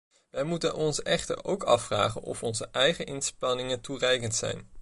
Wij moeten ons echter ook afvragen of onze eigen inspanningen toereikend zijn.